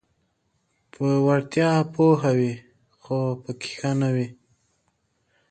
په وړتیا پوه وي خو پکې ښه نه وي: